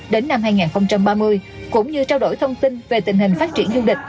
đến năm hai nghìn ba mươi cũng như trao đổi thông tin về tình hình phát triển du lịch